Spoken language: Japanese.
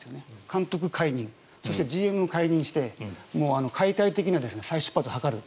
監督解任、そしてＧＭを解任して解体的な再出発を図る。